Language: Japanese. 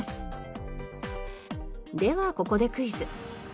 ではここでクイズ！